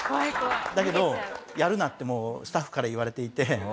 だけどやるなってもうスタッフから言われていて。